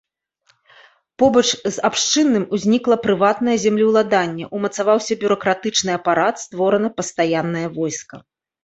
Побач з абшчынным узнікла прыватнае землеўладанне, умацаваўся бюракратычны апарат, створана пастаяннае войска.